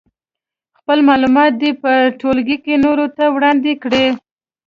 خپل معلومات دې په ټولګي کې نورو ته وړاندې کړي.